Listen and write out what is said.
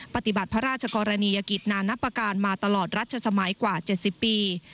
ปฏิบัติพระราชกรณียกิจนานับประการมาตลอดรัชสมัยกว่า๗๐ปี